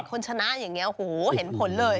คนชนะอย่างนี้หูเห็นผลเลย